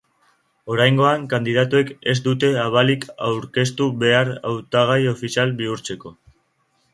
Oraingoan, kandidatuek ez dute abalik aurkeztu behar hautagai ofizial bihurtzeko.